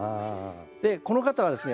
でこの方はですね